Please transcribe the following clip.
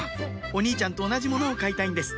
お兄ちゃんと同じものを買いたいんです